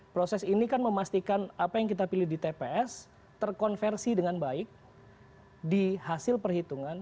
proses ini kan memastikan apa yang kita pilih di tps terkonversi dengan baik di hasil perhitungan